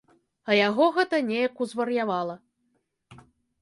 А яго гэта неяк узвар'явала.